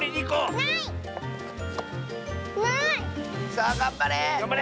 さあがんばれ！